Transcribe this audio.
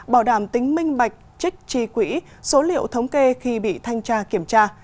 bảo đảm tính minh bạch trích chi quỹ số liệu thống kê khi bị thanh tra kiểm tra